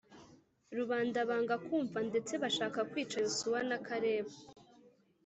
rubanda banga kumva Ndetse bashaka kwica Yosuwa na Kalebu